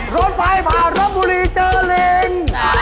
รถไพรผ่านรถปุหรี่เจอลิง